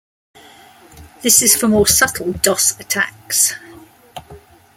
This is for more subtle DoS attacks.